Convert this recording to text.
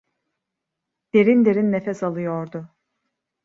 Derin derin nefes alıyordu.